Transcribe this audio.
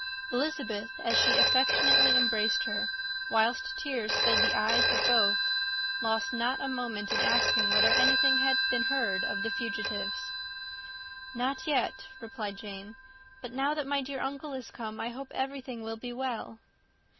Elizabeth, as she affectionately embraced her, whilst tears filled the eyes of both, lost not a moment in asking whether anything had been heard of the fugitives. "Not yet," replied Jane. "But now that my dear uncle is come, I hope everything will be well."